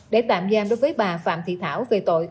để tạm giam đối với bà phạm thị thảo về tội